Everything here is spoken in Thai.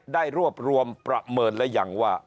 ได้รวบรวมประเมินหรือยังว่า